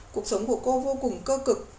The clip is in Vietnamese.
cuộc sống của cô vô cùng cơ cực